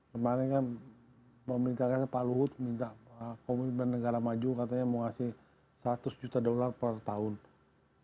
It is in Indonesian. kemarin kan pemerintah katanya pak luhut minta komitmen negara maju katanya mau ngasih seratus juta dolar per tahun